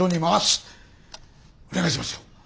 お願いしますよ。